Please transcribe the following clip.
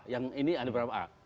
yang ini ada berapa a